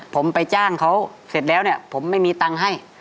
ผมไปจ้างเขาเสร็จแล้วเนี่ยผมไม่มีตังค์ให้